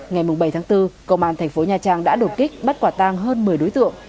ngày bảy tháng bốn công an thành phố nha trang đã đột kích bắt quả tang hơn một mươi đối tượng